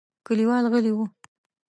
کليوال غلي وو.